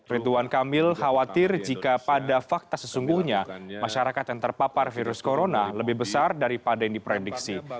ridwan kamil khawatir jika pada fakta sesungguhnya masyarakat yang terpapar virus corona lebih besar daripada yang diprediksi